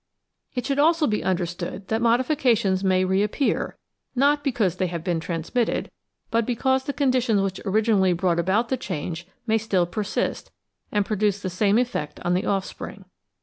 It should also be imderstood that modifications may re appear, not because they have been transmitted, but because the conditions which originally brought about the change may still persist and produce the same effect on the offspring.